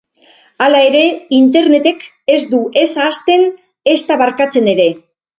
Hala ere, internetek ez du ez ahazten, ezta barkatzen ere.